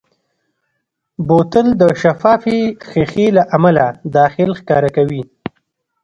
بوتل د شفافې ښیښې له امله داخل ښکاره کوي.